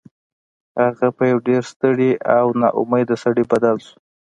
هغه په یو ډیر ستړي او ناامیده سړي بدل شو